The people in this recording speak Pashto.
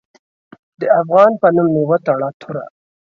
د افغان په نوم مې وتړه توره